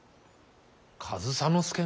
上総介が？